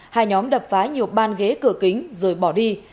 hai nhóm đập phá nhiều ban ghế cửa kính rồi bỏ đi